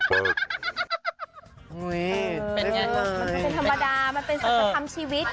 มันก็เป็นธรรมดามันเป็นศักดรรมชีวิต